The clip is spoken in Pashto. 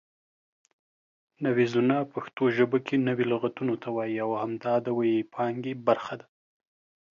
نویزونه پښتو ژبه کې نوي لغتونو ته وایي او همدا د وییپانګې برخه ده